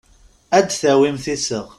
Ad d-tawimt iseɣ.